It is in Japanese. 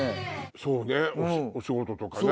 そうねお仕事とかね。